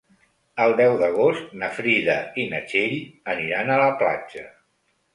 El deu d'agost na Frida i na Txell aniran a la platja.